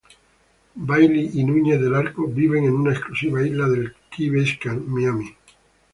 Bayly y Nuñez del Arco viven en la exclusiva isla de Key Biscayne, Miami.